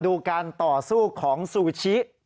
ดูการต่อสู้ของซูชิ